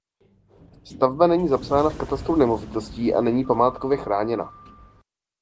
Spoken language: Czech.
Stavba není zapsána v katastru nemovitostí a není památkově chráněna.